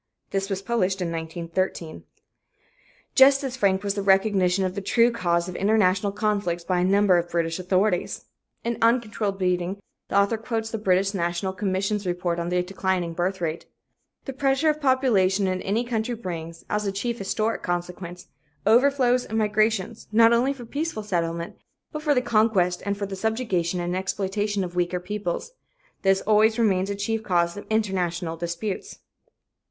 This was published in 1913. Just as frank was the recognition of the true cause of international conflicts by a number of British authorities. In "Uncontrolled Breeding," the author quotes the British National Commission's report on The Declining Birth Rate: "The pressure of population in any country brings, as a chief historic consequence, overflows and migrations not only for peaceful settlement, but for conquest and for the subjugation and exploitation of weaker peoples. This always remains a chief cause of international disputes."